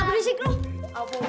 gigi gue ntar patah